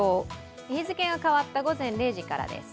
日付が変わった午前０時からです。